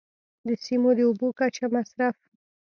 د سیمو د اوبو کچه، مصرف.